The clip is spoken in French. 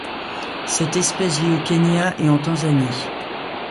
Cette espèce vit au Kenya et en Tanzanie.